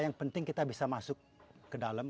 yang penting kita bisa masuk ke dalam